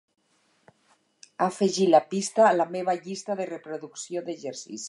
Afegir la pista a la meva llista de reproducció d'exercicis.